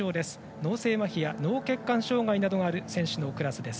脳性まひや脳血管障がいのある選手のクラスです。